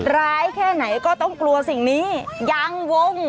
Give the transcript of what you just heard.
แค่ไหนก็ต้องกลัวสิ่งนี้ยังวง